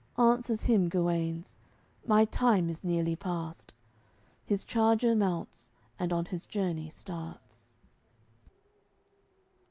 Answers him Guenes: "My time is nearly past." His charger mounts, and on his journey starts.